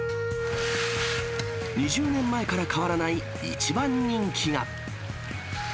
２０年前から変わらない一番人気が。